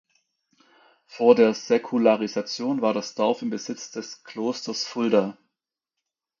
Vor der Säkularisation war das Dorf im Besitz des Klosters Fulda.